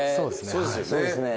そうですね。